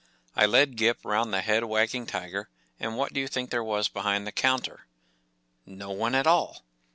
” 1 led Gip round the head wagging tiger, and what do you think there was behind the counter ? No one at all